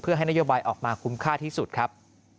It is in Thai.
เพื่อให้นโยบายออกมาคุ้มค่าที่สุดครับ